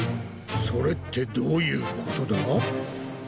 それってどういうことだ？